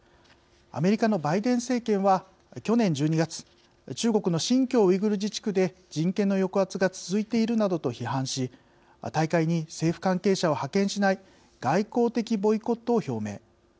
アメリカのバイデン政権は去年１２月中国の新疆ウイグル自治区で人権の抑圧が続いているなどと批判し大会に政府関係者を派遣しない外交的ボイコットを表明。